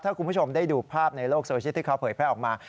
ถ้าคุณผู้ชมได้ดูภาพในโลกโซเชียลที่เขาเผยแพร่ออกมา